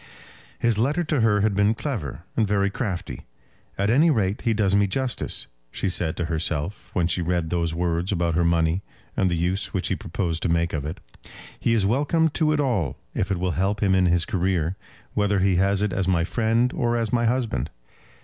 His letter to her had been clever and very crafty. "At any rate he does me justice," she said to herself, when she read those words about her money, and the use which he proposed to make of it. "He is welcome to it all if it will help him in his career, whether he has it as my friend or as my husband."